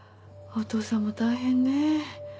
お父さんも大変ね。